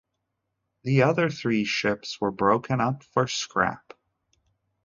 The other three ships were broken up for scrap.